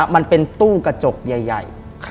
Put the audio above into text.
มันเป็นตู้กระจกใหญ่